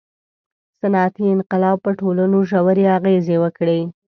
• صنعتي انقلاب په ټولنو ژورې اغېزې وکړې.